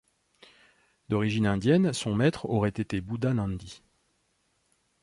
D'origine indienne, son maitre aurait été Bouddhanandi.